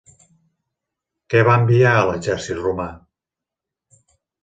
Què va enviar a l'exèrcit romà?